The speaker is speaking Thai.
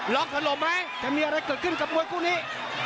สลบไหมจะมีอะไรเกิดขึ้นกับมวยคู่นี้